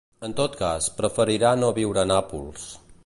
En tot cas, preferirà no viure a Nàpols.